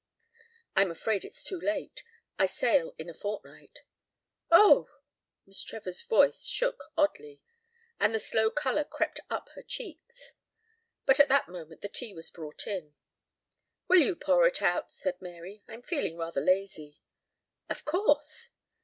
"I'm afraid it's too late. I sail in a fortnight." "Oh!" Miss Trevor's voice shook oddly, and the slow color crept up her cheeks. But at that moment the tea was brought in. "Will you pour it out?" asked Mary. "I'm feeling rather lazy." "Of course."